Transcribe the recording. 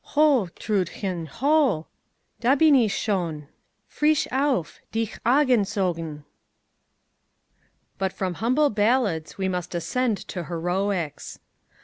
'Ho, Trudchen, ho! Da bin ich schon! Frisch auf! Dich angezogen!' But from humble ballads we must ascend to heroics.